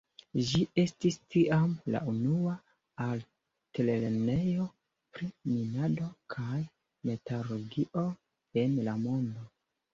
Ĝi estis tiam la unua altlernejo pri minado kaj metalurgio en la mondo.